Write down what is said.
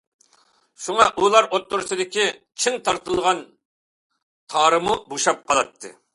شۇڭا، ئۇلار ئوتتۇرىسىدىكى چىڭ تارتىلغان تارمۇ بوشاپ قالاتتى.